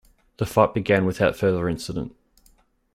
The fight began without further incident.